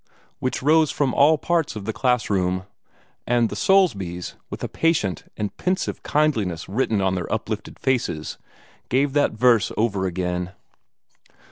which rose from all parts of the class room; and the Soulsbys, with a patient and pensive kindliness written on their uplifted faces, gave that verse over again.